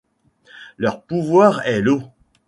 Leur pouvoir est l'eau.